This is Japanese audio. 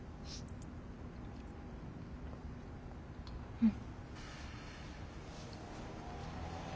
うん。